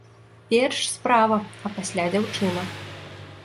Перш справа, а пасля дзяўчына.